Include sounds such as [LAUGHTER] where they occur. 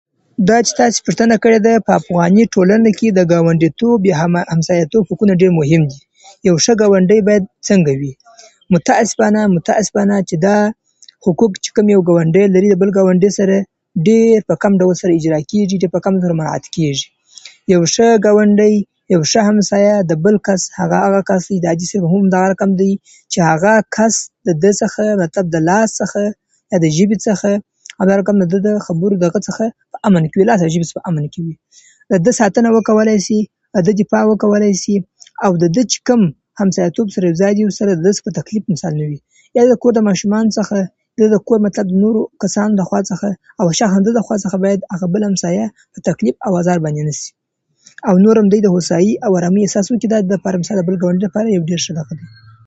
دا چې تاسو پوښتنه کړې ده، په افغاني ټولنه کې د ګاونډیتوب یا همسایه‌توب حقونه ډېر مهم دي. یو ښه ګاونډی باید څنګه وي؟ متأسفانه، متأسفانه چې دا حقوق چې کوم ګاونډی لري د بل ګاونډي سره، ډېر په کم ډول سره اجرا کېږي، [UNINTELLIGIBLE] مراعت کېږي. یو ښه ګاونډی، یو ښه همسایه، د بل کس هغه [UNINTELLIGIBLE] د حاجي صاحب هم دغه رقم دی چې هغه کس د ده څخه، د هغه د لاس څخه، د ژبې څخه، همدا رقم د ده د خبرو د هغه څخه په امن کې وي، [UNINTELLIGIBLE] په امن کې وي. د ده ساتنه وکولی شي، د ده دفاع وکولی شي، او د ده چې کوم همسایه‌توب چې ورسره یوځای دي، ورسره د ده څخه په تکلیف دي، مثال نه وي. یا یو کور د ماشومانو څخه، کور مطلب د نورو کسانو څخه او شاوخوا، باید هغه بل همسایه په تکلیف او ازار ورڅینې نشي، او نور هم باید دوی د هوسايي او ارامي احساس وکړي. دا دوی لپاره د بل مثال، د ګاونډي لپاره ډېر ښه دغه دی.